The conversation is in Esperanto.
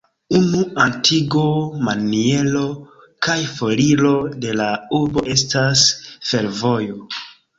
Unu atingo-maniero kaj foriro de la urbo estas fervojo.